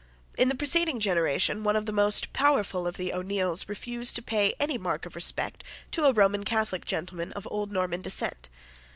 In the preceding generation one of the most powerful of the O'Neills refused to pay any mark of respect to a Roman Catholic gentleman of old Norman descent.